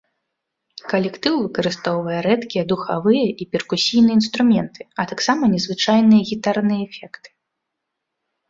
Калектыў выкарыстоўвае рэдкія духавыя і перкусійныя інструменты, а таксама незвычайныя гітарныя эфекты.